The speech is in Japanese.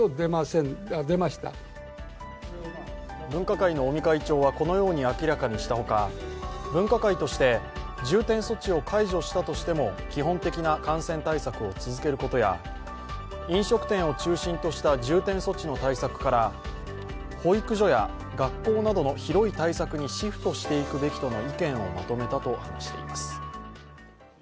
分科会の尾身会長はこのように明らかにしたほか、分科会として、重点措置を解除したとしても基本的な感染対策を続けることや飲食店を中心とした重点措置の対策から保育所や学校などの広い対策にシフトしていくべきとの意見をまとめたと話しています。